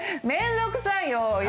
面倒くさいよ。